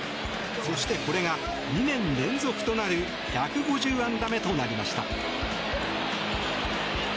そして、これが２年連続となる１５０安打となりました。